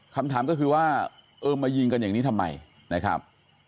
คำถามก็คือว่าเออมายิงกันอย่างนี้ทำไมนะครับ